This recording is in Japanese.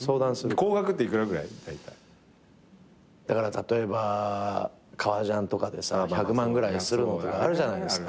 例えば革ジャンとかでさ１００万ぐらいするのとかあるじゃないですか。